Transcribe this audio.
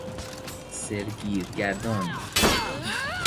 سرگین گردان